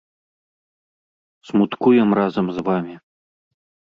Смуткуем разам з вамі.